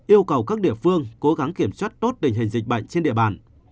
yêu cầu các địa phương cố gắng kiểm soát tốt tình hình dịch bệnh trên địa bàn